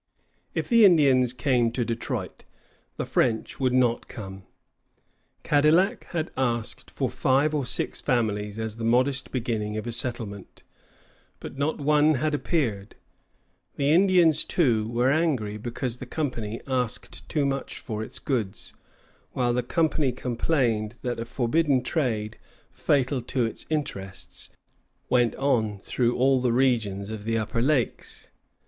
" If the Indians came to Detroit, the French would not come. Cadillac had asked for five or six families as the modest beginning of a settlement; but not one had appeared. The Indians, too, were angry because the company asked too much for its goods; while the company complained that a forbidden trade, fatal to its interests, went on through all the region of the upper lakes.